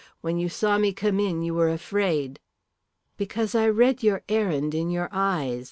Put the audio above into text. When you saw me come in you were afraid." "Because I read your errand in your eyes.